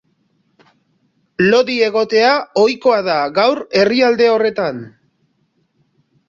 Lodi egotea ohikoa da gaur herrialde horretan.